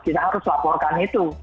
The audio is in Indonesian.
kita harus laporkan itu